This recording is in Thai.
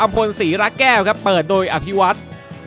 อัมพลศรีระแก้วครับเปิดโดยอธิวัตร